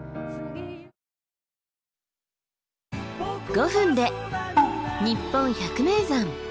５分で「にっぽん百名山」。